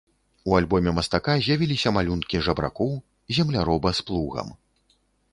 У альбоме мастака з'явіліся малюнкі жабракоў, земляроба з плугам.